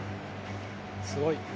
すごい。